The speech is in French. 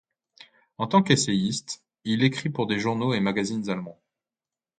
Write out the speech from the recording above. En tant qu'essayiste, il écrit pour des journaux et magazines allemands.